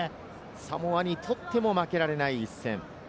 サモアにとっても負けられない一戦。